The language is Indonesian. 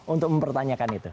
untuk mempertanyakan itu